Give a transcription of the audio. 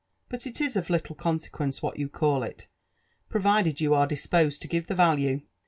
But it is of little consequence what you call it, provided you are disposed to give the value.